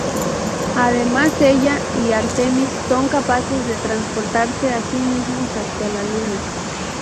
Además ella y Artemis son capaces de transportarse a sí mismos hacia la luna.